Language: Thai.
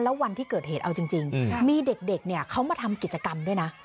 แล้ววันที่เกิดเหตุเอาจริงมีเด็กเขามาทำกิจกรรมด้วยนะ